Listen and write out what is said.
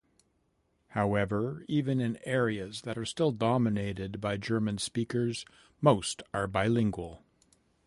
However, even in areas that are still dominated by German speakers, most are bilingual.